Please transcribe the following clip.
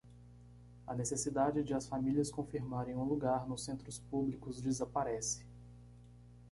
A necessidade de as famílias confirmarem um lugar nos centros públicos desaparece.